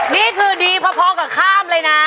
นี่คือดีพอกับข้ามเลยนะ